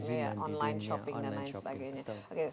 iya online shopping dan lain sebagainya